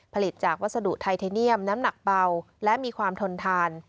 ผลิตจากวัสดุไทเทเนียมน้ำหนักเบาและมีความทนทาน